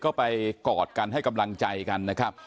ก็ไปกอดกันให้กำลังใจกันนะครับ